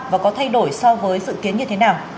và có thay đổi so với dự kiến như thế nào